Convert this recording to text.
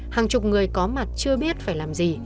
hàng chục người có mặt chưa biết phải làm gì